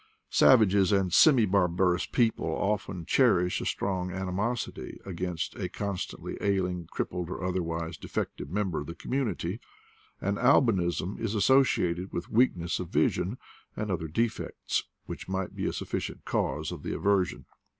Savages and semi bar barous people often cherish a strong animosity against a constantly ailing, crippled, or otherwise defective member of the community: and albinism is associated with weakness of vision, and other defects, which might be a sufficient cause of the aversion.